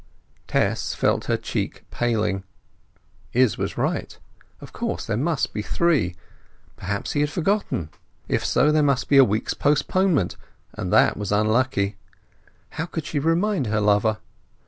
Tess felt her cheek paling; Izz was right; of course there must be three. Perhaps he had forgotten! If so, there must be a week's postponement, and that was unlucky. How could she remind her lover?